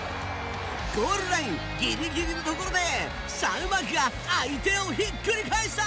ゴールラインぎりぎりのところでサウマキが相手をひっくり返した。